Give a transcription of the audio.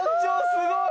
すごい！」